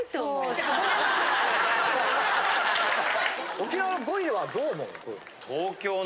沖縄ゴリはどう思う？